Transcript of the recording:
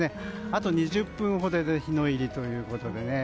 あと２０分ほどで日の入りということで。